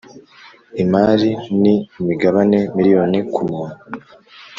imari n imigabane million kumuntu